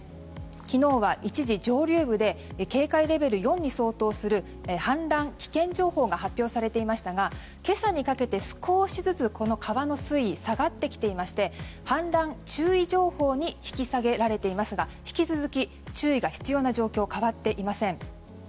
昨日は一時、上流部で警戒レベル４に相当する氾濫危険情報が発表されていましたが今朝にかけて少しずつ川の水位が下がってきていまして氾濫注意情報に引き下げられていますが引き続き注意が必要な状況は変わっていません。